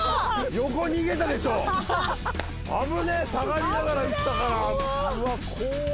横に逃げたでしょう、危ねえ、下がりながらいったから。